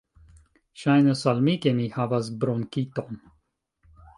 Ŝajnas al mi ke mi havas bronkiton.